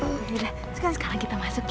ya sudah sekarang kita masuk ya